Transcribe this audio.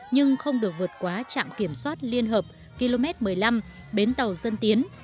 nhưng không được vượt quá trạm kiểm soát liên hợp km một mươi năm bến tàu dân tiến